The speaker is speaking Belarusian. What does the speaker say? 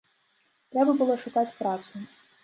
Трэба было шукаць працу.